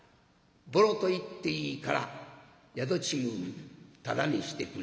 ぼろと言っていいから宿賃タダにしてくれ」。